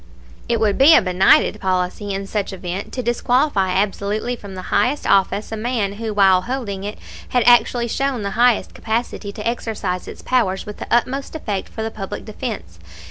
It would be a benighted policy in such event to disqualify absolutely from the highest office a man who while holding it had actually shown the highest capacity to exercise its powers with the utmost effect for the public defense.